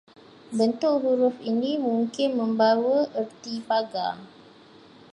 Bentuk huruf ini mungkin membawa erti pagar